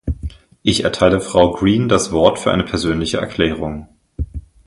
Ich erteile Frau Green das Wort für eine persönliche Erklärung.